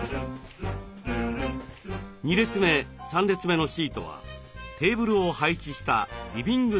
２列目３列目のシートはテーブルを配置したリビングスペース。